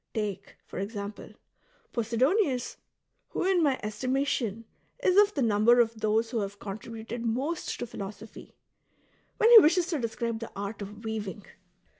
Take, for example, Posidonius — who, in my estimation, is of the number of those who have contributed most to philosophy — when he wishes to describe the ai't of weaving.